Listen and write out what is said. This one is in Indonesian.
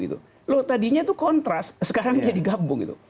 tadinya itu kontras sekarang dia digabung